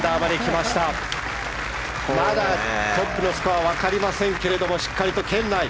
まだトップのスコアは分かりませんがしっかりと圏内。